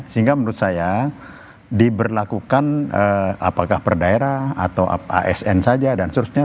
sehingga menurut saya diberlakukan apakah per daerah atau asn saja dan seterusnya